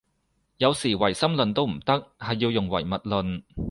有時唯心論都唔得，係要用唯物論